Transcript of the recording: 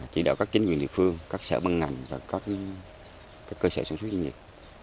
chỉ đạo các chính quyền địa phương các sở bân ngành và các cơ sở sản xuất nông nghiệp